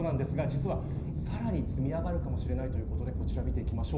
実は、さらに積み上がるかもしれないということでこちらを見ていきます。